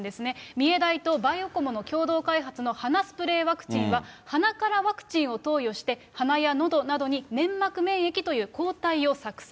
三重大とバイオコモの共同開発の鼻スプレーワクチンは、鼻からワクチンを投与して、鼻やのどなどに粘膜免疫という抗体を作成。